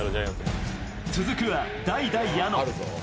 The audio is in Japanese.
続くは代打・矢野。